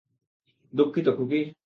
দুঃখিত, খুকি।